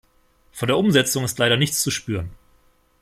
Von der Umsetzung ist leider nichts zu spüren.